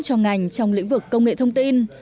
cho ngành trong lĩnh vực công nghệ thông tin